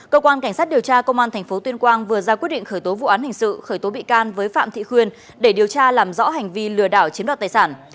cơ quan cảnh sát điều tra công an tp tuyên quang vừa ra quyết định khởi tố vụ án hình sự khởi tố bị can với phạm thị khuyên để điều tra làm rõ hành vi lừa đảo chiếm đoạt tài sản